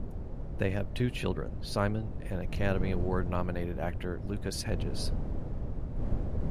They have two children, Simon and Academy Award-nominated actor Lucas Hedges.